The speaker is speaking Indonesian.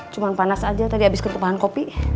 cuma panas aja tadi abis kentupahan kopi